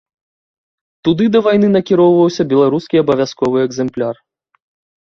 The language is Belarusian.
Туды да вайны накіроўваўся беларускі абавязковы экзэмпляр.